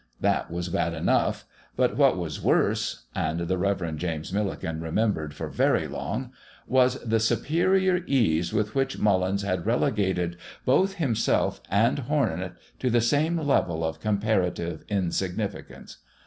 That was bad enough. But what was worse and the Rev. James Milligan remembered for very long was the superior ease with which Mullins had relegated both himself and hornet to the same level of comparative insignificance.